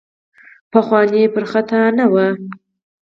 پخواني پر خطا نه وو.